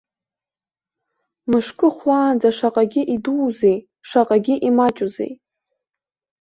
Мышкы хәлаанӡа шаҟагьы идуузеи, шаҟагьы имаҷузеи!